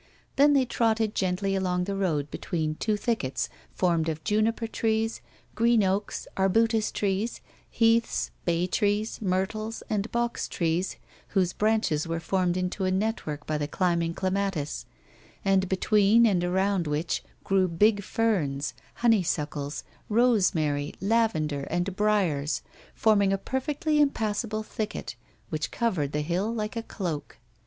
Then they trotted gently along the road between two thickets formed of juniper trees, green oaks, arbustus trees, heaths, bay trees, myrtles, and box trees, whose branches were formed into a network by the climbing clematis, and between and around which grew big ferns, honey suckles, rosemary, lavendei', and briars, forming a perfectly impassible thicket, which covered the hill like a cloak.